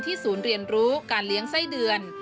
ศูนย์เรียนรู้การเลี้ยงไส้เดือน